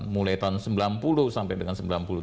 mulai tahun sembilan puluh sampai dengan